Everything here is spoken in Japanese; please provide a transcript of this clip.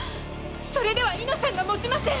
それではいのさんが持ちません。